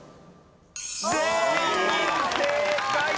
全員正解！